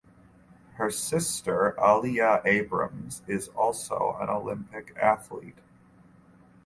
Her sister Aliyah Abrams is also an Olympic athlete.